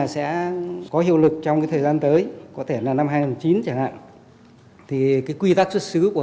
sẽ có hiệu lực trong thời gian tới có thể là năm hai nghìn một mươi chín chẳng hạn thì cái quy tắc xuất xứ của